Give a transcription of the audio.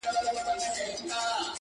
هم یې خزان هم یې بهار ښکلی دی.!